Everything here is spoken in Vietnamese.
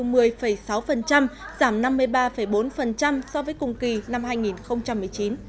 giảm năm mươi ba bốn so với cùng kỳ năm hai nghìn một mươi chín